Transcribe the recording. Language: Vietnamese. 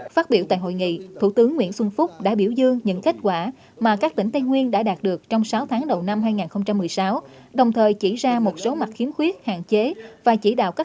phát biểu tại hội nghị thủ tướng nguyễn xuân phúc đã biểu dương những kết quả mà các tỉnh tây nguyên đã đạt được trong sáu tháng đầu năm hai nghìn một mươi sáu